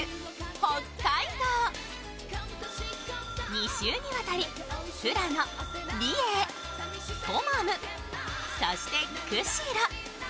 ２週にわたり、富良野、美瑛、トマム、そして釧路。